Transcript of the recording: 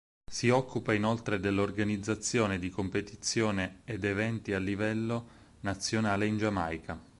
Si occupa inoltre dell'organizzazione di competizioni ed eventi a livello nazionale in Giamaica.